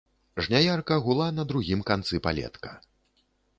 Жняярка гула на другім канцы палетка.